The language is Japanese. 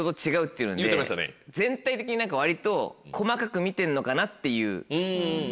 いうので全体的に割と細かく見てんのかなっていう。